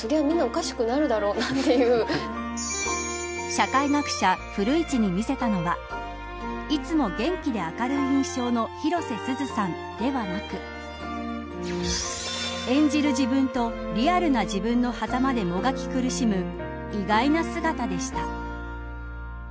社会学者古市に見せたのはいつも元気で明るい印象の広瀬すずさんではなく演じる自分とリアルな自分の間でもがき苦しむ意外な姿でした。